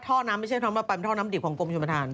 ท่อน้ำไม่ใช่ท่อน้ำละไปมันท่อน้ำดิบของกลมชมธาน